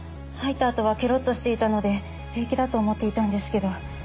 吐いたあとはケロっとしていたので平気だと思っていたんですけど。